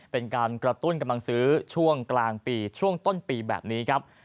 เป็นการกระตุ้นกำลังซื้อช่วงกลางปีช่วงต้นปีแบบนี้ครับ